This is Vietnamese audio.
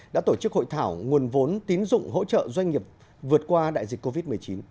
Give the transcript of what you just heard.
đã tổ chức hội thảo nguồn vốn tín dụng hỗ trợ doanh nghiệp vượt qua đại dịch covid một mươi chín